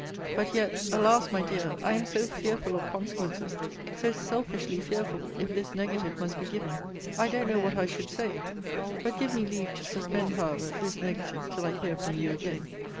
But yet alas! my dear, I am so fearful of consequences, so selfishly fearful, if this negative must be given I don't know what I should say but give me leave to suspend, however, this negative till I hear from you again.